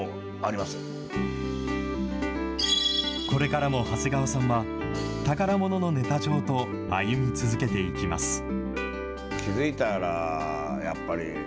これからも長谷川さんは、宝もののネタ帳と歩み続けていきます。